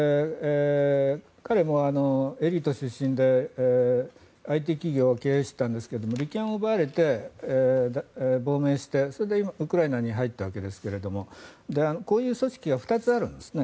彼もエリート出身でＩＴ企業を経営していたんですが利権を奪われて亡命してそれで今ウクライナに入ったんですがこういう組織が２つあるんですね。